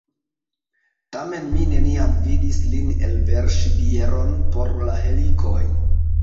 Tamen mi neniam vidis lin elverŝi bieron por la helikoj.